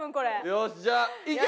よしじゃあいけ！